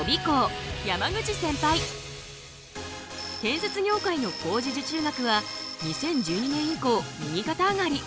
建設業界の工事受注額は２０１２年以降右肩上がり。